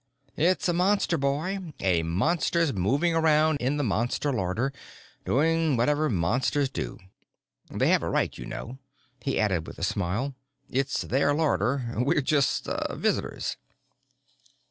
It's a Monster, boy. A Monster's moving around in the Monster larder, doing whatever Monsters do. They have a right, you know," he added with a smile. "It's their larder. We're just visitors."